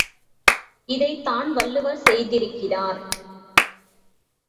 இதைத்தான் வள்ளுவர் செய்திருக்கிறார்.